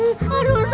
ini kenapa sih